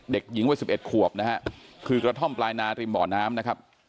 เด็กหญิงวัย๑๑ขวบนะฮะคือกระท่อมปลายนาริมบ่อน้ำนะครับ